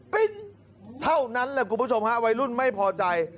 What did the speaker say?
เท่านั้นแหละคุณผู้ชมฮะวัยรุ่นไม่พอใจ